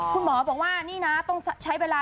คุณหมอบอกว่านี่นะต้องใช้เวลา